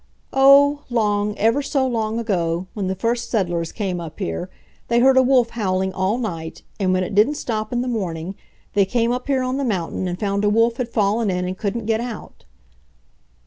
"Oh, long, ever so long ago, when the first settlers came up here, they heard a wolf howling all night, and when it didn't stop in the morning, they came up here on the mountain and found a wolf had fallen in and couldn't get out."